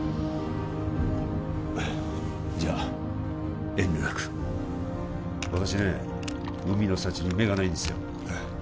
じゃあ遠慮なく私ね海の幸に目がないんですよええ